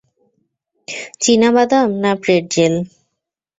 চিনাবাদাম না প্রেটজেল?